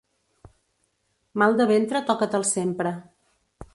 Mal de ventre toca-te'l sempre.